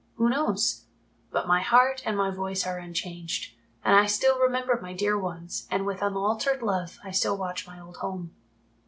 Who knows? But my heart and my voice are unchanged, and I still remember my dear ones, and with unaltered love I still watch my old home.